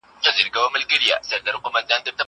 زه کولای شم اوبه وڅښم!!